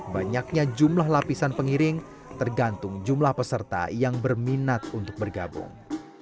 banyaknya jumlah lapisan pengiring tergantung jumlah peserta yang berminat untuk bergabung